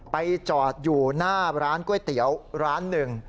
ไปจอดอยู่หน้าร้านก๋วยเตี๋ยวร้านหนึ่ง